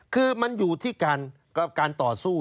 คือมันอยู่ที่การต่อสู้